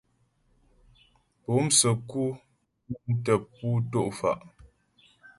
Po'o msə́ku piəŋ tə pú tɔ' mfa'.